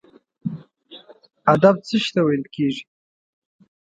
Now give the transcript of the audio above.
ادب څه شي ته ویل کیږي؟